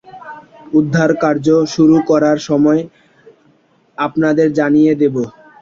উদ্ধারকার্য শুরু করার সময় আপনাদের জানিয়ে দেবো।